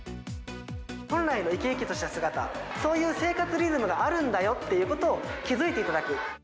本来の生き生きとした姿、そういう生活リズムがあるんだよっていうことを気付いていただく。